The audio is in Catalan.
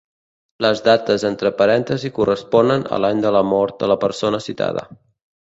Les dates entre parèntesis corresponen a l'any de la mort de la persona citada.